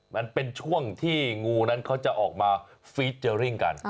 มันเป็นช่วงที่งูนั้นเขาจะออกมาฟีดเจอร์ริ่งกัน